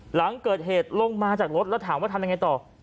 หลังเกิดเหตุลงมาจากรถแล้วถามว่าทำยังไงต่อ